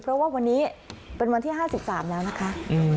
เพราะว่าวันนี้เป็นวันที่๕๓แล้วนะคะ